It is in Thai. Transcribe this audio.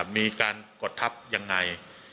มีการกดทับยังไง